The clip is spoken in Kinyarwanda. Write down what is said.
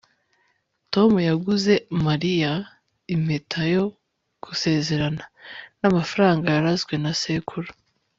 tom yaguze mariya impeta yo gusezerana n'amafaranga yarazwe na sekuru